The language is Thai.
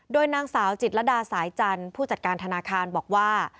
โดยนางสาวจิตรดาสายจันทร์ผู้จัดการธนาคารบอกว่า